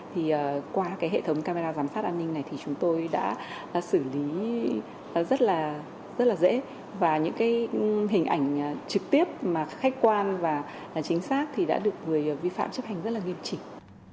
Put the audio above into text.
thì qua cái hệ thống camera giám sát an ninh này thì chúng tôi đã xử lý rất là dễ và những cái hình ảnh trực tiếp mà khách quan và chính xác thì đã được người vi phạm chấp hành rất là nghiêm trình